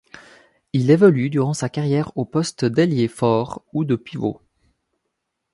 Il évolue durant sa carrière aux postes d'ailier fort ou de pivot.